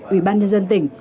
ủy ban nhân dân tỉnh